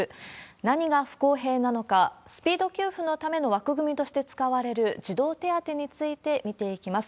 何が不公平なのか、スピード給付のための枠組みとして使われる児童手当について見ていきます。